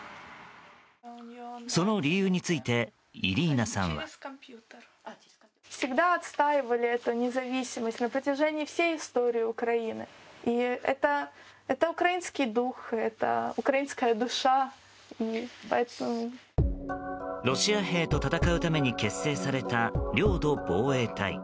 その理由についてイリーナさんは。ロシア兵と戦うために結成された領土防衛隊。